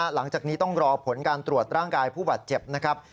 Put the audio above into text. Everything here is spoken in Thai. หลังจากนี้ต้องรอผลการตรวจร่างกายผู้บาดเจ็บนะครับ